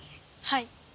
はい。